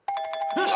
よし！